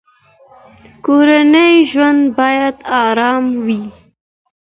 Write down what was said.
کورنی ژوند باید ارام وي.